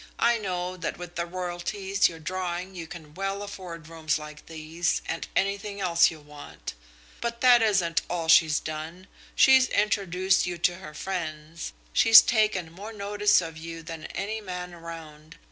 I know that with the royalties you're drawing you can well afford rooms like these and anything else you want. But that isn't all she's done. She's introduced you to her friends, she's taken more notice of you than any man around.